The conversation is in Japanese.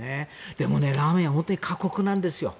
でも、ラーメンは本当に過酷なんですよ。